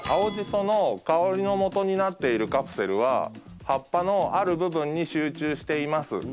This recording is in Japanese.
その香りのもとになっているカプセルは葉っぱのある部分に集中しています。